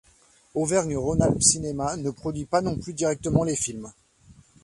Auvergne-Rhône-Alpes Cinéma ne produit pas non plus directement les films.